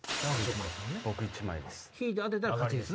僕１枚です。